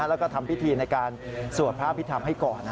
แล้วก็ทำพิธีในการสวดพระอภิษฐรรมให้ก่อน